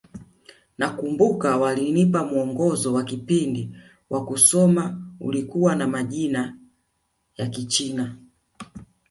Nakumbuka walinipa mwongozo wa kipindi wa kusoma ulikuwa na majina ya Kichina